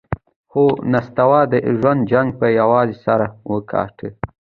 هو، نستوه د ژوند جنګ پهٔ یوازې سر وګاټهٔ!